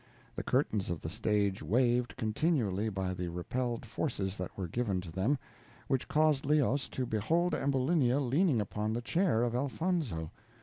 The curtains of the stage waved continually by the repelled forces that were given to them, which caused Leos to behold Ambulinia leaning upon the chair of Elfonzo.